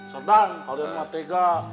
sedang kalau yang matiga